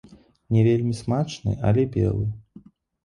Не вельмі смачны, але белы.